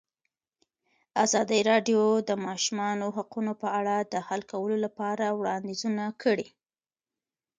ازادي راډیو د د ماشومانو حقونه په اړه د حل کولو لپاره وړاندیزونه کړي.